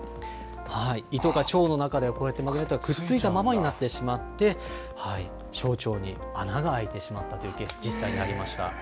胃とか腸の中でこうやってマグネットがくっついたままになってしまって、小腸に穴が開いてしまったというケース、実際にありました。